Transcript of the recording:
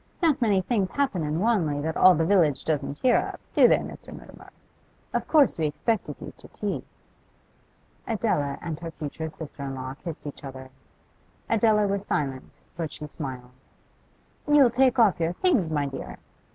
'Not many things happen in Wanley that all the village doesn't hear of, do they, Mr. Mutimer? Of course we expected you to tea.' Adela and her future sister in law kissed each other. Adela was silent, but she smiled. 'You'll take your things off, my dear?